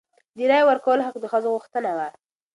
د رایې ورکولو حق د ښځو غوښتنه وه.